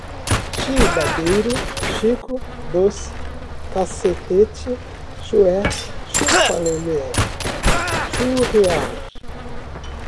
chata, chaveiro, chibaba, chibabeiro, chico doce, cassetete, chué, chupa lelé, churrear